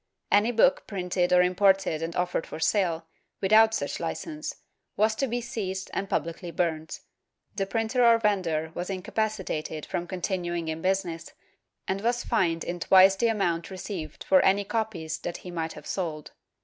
Any book printed or imported and offered for sale, without such hcence, was to be seized and pubhcly burnt; the printer or vendor was incapacitated from continuing in business and was fined in twice the amount received for any copies that he might have sold.